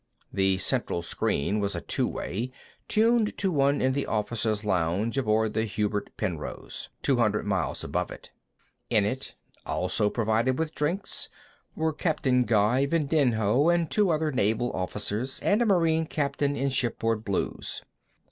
The central screen was a two way, tuned to one in the officers' lounge aboard the Hubert Penrose, two hundred miles above. In it, also provided with drinks, were Captain Guy Vindinho and two other Navy officers, and a Marine captain in shipboard blues.